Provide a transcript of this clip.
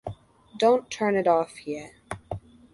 Don't turn it off yet.